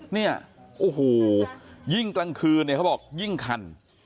เนี่ยโอ้โหยิ่งกลางคืนเนี่ยเขาบอกยิ่งคัน